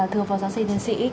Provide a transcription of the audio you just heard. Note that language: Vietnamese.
thưa phó giáo sĩ thế giới sĩ